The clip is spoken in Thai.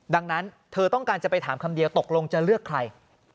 ดังนั้นเธอต้องการจะไปถามคำเดียวตกลงจะเลือกใคร